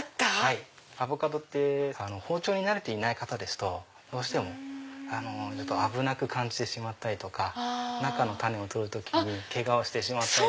アボカドって包丁に慣れていない方ですとどうしても危なく感じてしまったりとか中の種を取る時にケガをしたり。